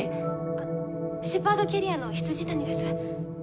あっシェパードキャリアの未谷です。